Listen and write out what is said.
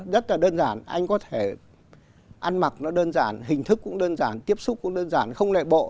rất là đơn giản anh có thể ăn mặc nó đơn giản hình thức cũng đơn giản tiếp xúc cũng đơn giản không nệ bộ